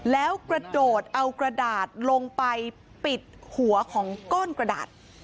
แล้วกระโดดเอากระดาษลงไปปิดหัวของก้อนกระดาษ